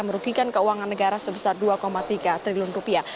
merugikan keuangan negara sebesar dua tiga triliun rupiah